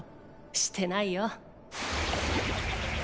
してないよ。